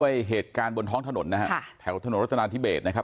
เหตุการณ์บนท้องถนนนะฮะแถวถนนรัฐนาธิเบสนะครับ